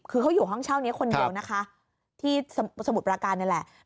คือเขาอยู่ห้องเช่านี้คนเดียวนะคะที่สมุทรปราการนี่แหละ